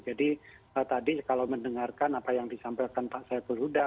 jadi tadi kalau mendengarkan apa yang disampaikan pak saiful huda